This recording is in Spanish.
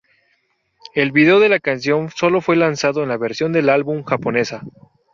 El video de la canción solo fue lanzado en la versión del álbum japonesa.